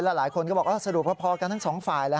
และหลายคนก็บอกว่าสะดวกพอกันทั้งสองฝ่ายแล้ว